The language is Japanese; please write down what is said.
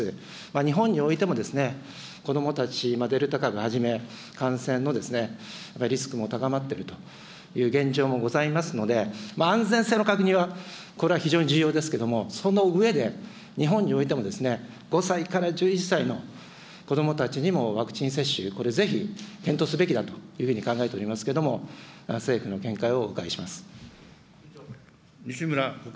日本においても子どもたち、デルタ株はじめ、感染のリスクも高まっているという現状もございますので、安全性の確認は、これは非常に重要ですけれども、その上で、日本においても５歳から１１歳の子どもたちにもワクチン接種、これぜひ検討すべきだというふうに考えておりますけれども、政府の見解をお伺いします。